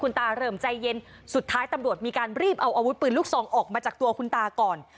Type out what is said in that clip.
ตาเริ่มใจเย็นสุดท้ายตำรวจมีการรีบเอาอาวุธปืนลูกซองออกมาจากตัวคุณตาก่อน